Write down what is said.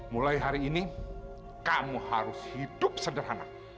mulai hari ini kamu harus hidup sederhana